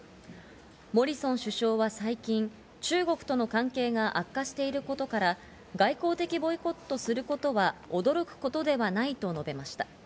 モリソン首相は最近、中国との関係が悪化していることから、外交的ボイコットすることは驚くことではないと述べました。